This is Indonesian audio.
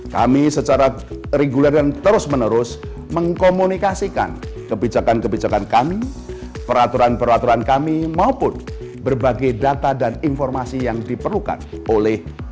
kami secara reguler dan terus menerus mengkomunikasikan kebijakan kebijakan kami peraturan peraturan kami maupun berbagai data dan informasi yang diperlukan oleh